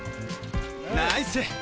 ナイス！